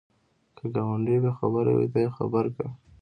که ګاونډی بې خبره وي، ته یې خبر کړه